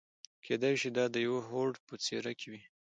کېدای شي دا د يوه هوډ په څېره کې وي.